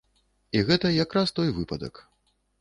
І гэта якраз той выпадак.